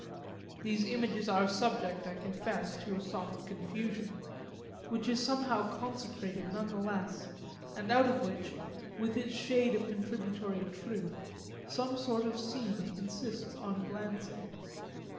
These images are subject, I confess, to a soft confusion which is somehow consecrated, none the less, and out of which, with its shade of contributory truth, some sort of scene insists on glancing.